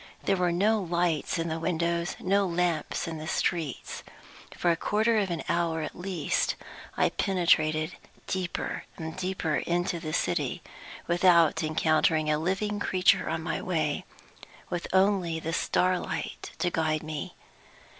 There were no lights in the windows, no lamps in the streets. For a quarter of an hour at least I penetrated deeper and deeper into the city, without encountering a living creature on my way with only the starlight to guide me.